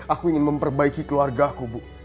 aku ingin memperbaiki keluarga aku bu